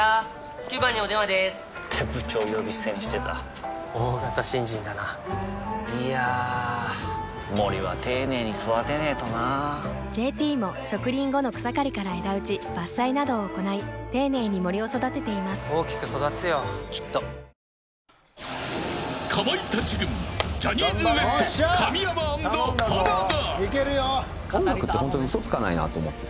９番にお電話でーす！って部長呼び捨てにしてた大型新人だないやー森は丁寧に育てないとな「ＪＴ」も植林後の草刈りから枝打ち伐採などを行い丁寧に森を育てています大きく育つよきっとかまいたち軍ジャニーズＷＥＳＴ神山アンド濱田。